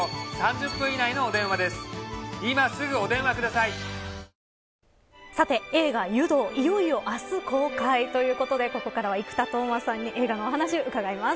いよいよ明日公開ということでここから生田斗真さんに映画のお話、伺います。